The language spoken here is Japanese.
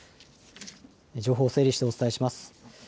情報を整理してお伝えします。